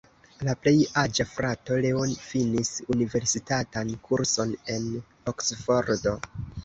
La plej aĝa frato, Leo, finis universitatan kurson en Oksfordo.